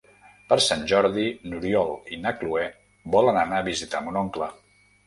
Per Sant Jordi n'Oriol i na Cloè volen anar a visitar mon oncle.